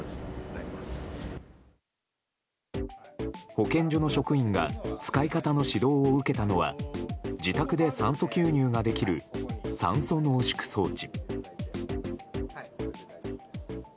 保健所の職員が使い方の指導を受けたのは自宅で酸素吸入ができる酸素濃縮装置。